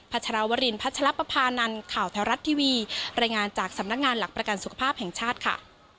ชรวรินพัชรปภานันข่าวแถวรัฐทีวีรายงานจากสำนักงานหลักประกันสุขภาพแห่งชาติค่ะ